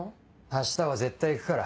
あしたは絶対行くから。